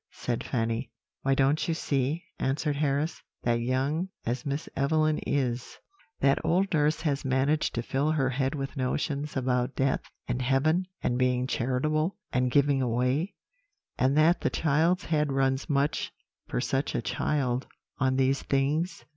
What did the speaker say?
said Fanny. "'Why, don't you see,' answered Harris, 'that young as Miss Evelyn is, that old nurse has managed to fill her head with notions about death, and heaven, and being charitable, and giving away; and that the child's head runs much, for such a child, on these things?'